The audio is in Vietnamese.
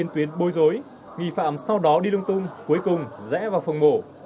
tuyến bối rối nghi phạm sau đó đi lung tung cuối cùng rẽ vào phòng mổ